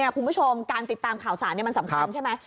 คุณผู้ชมการติดตามข่าวสารมันสำคัญใช่ไหม